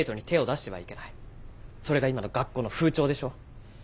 それが今の学校の風潮でしょう。